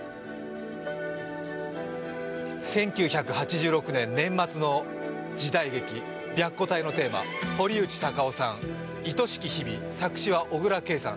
１９８６年年末の時代劇「白虎隊」のテーマ、堀内孝雄さん、「愛しき日々」、作詞は小椋佳さん。